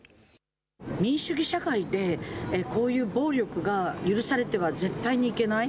民主主義社会でこういう暴力が許されては絶対にいけない。